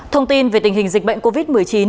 thông tin về tình hình dịch bệnh covid một mươi chín